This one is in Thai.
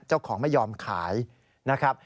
เจ้าของไม่ยอมขายนะครับ